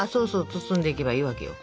包んでいけばいいわけよ。